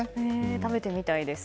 食べてみたいです。